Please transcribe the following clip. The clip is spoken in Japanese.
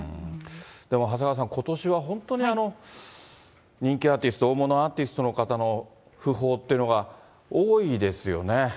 でも長谷川さん、ことしは本当に人気アーティスト、大物アーティストの方の訃報というのが多いですよね。